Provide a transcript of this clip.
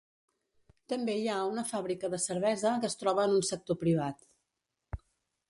També hi ha una fàbrica de cervesa que es troba en un sector privat.